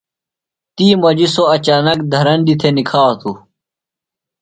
تی مجیۡ سوۡ اچانک دھرندیۡ تھےۡ نِکھاتوۡ۔